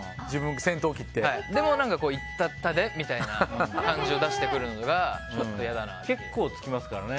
でも行ったったでみたいな感じを出してくるのがちょっと嫌だなって。